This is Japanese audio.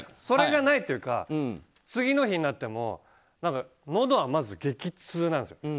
それがないというか次の日になってものどはまず激痛なんですよ。